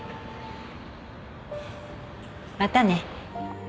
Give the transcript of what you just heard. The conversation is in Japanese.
またね。